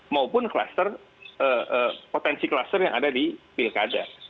maupun kluster potensi kluster yang ada di pilkada